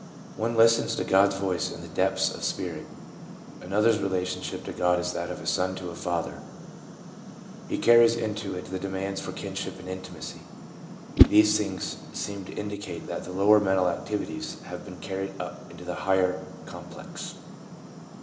One ' listens to God's voice in the depths of spirit/ Another's relationship to God is that of a son to a father; he carries into it the demands for kinship and intimacy. These things seem to indicate that the lower mental activities have been carried up into the higher complex.